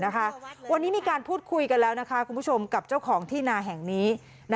วันนี้มีการพูดคุยกันแล้วคุณผู้ชมกับเจ้าของที่นาแห่งนี้